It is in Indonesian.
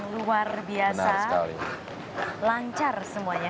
pada ketinggian delapan ratus kaki